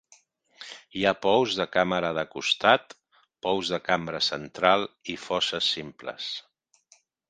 Hi ha pous de càmera de costat, pous de cambra central i fosses simples.